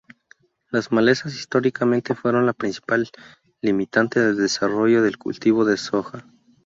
Las malezas históricamente fueron la principal limitante del desarrollo del cultivo de soja.